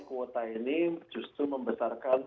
kuota ini justru membesarkan